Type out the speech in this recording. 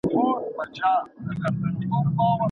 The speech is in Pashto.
د کثافاتو راټولول څوک کوي؟